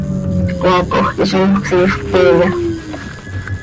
¿Cmaacoj quih zímjöc siifp queeya?